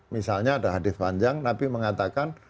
misalnya ada hadith panjang tapi mengatakan